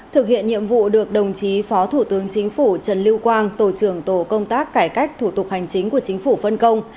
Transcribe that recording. thực hiện nhiệm vụ được đồng chí phó thủ tướng chính phủ trần lưu quang tổ trưởng tổ công tác cải cách thủ tục hành chính của chính phủ phân công